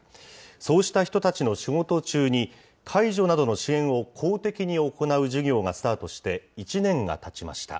そうした人たちの仕事中に、介助などの支援を公的に行う事業がスタートして１年がたちました。